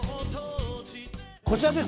こちらです。